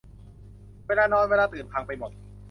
เวลานอน เวลาตื่น พังไปหมด